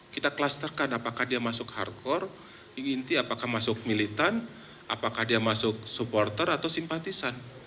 kita klasterkan apakah dia masuk hardcore di inti apakah masuk militan apakah dia masuk supporter atau simpatisan